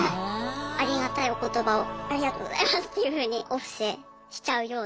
ありがたいお言葉をありがとうございますっていうふうにお布施しちゃうような。